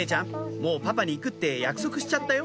もうパパに行くって約束しちゃったよ